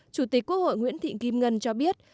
chủ tịch quốc hội nguyễn thị kim ngân cho biết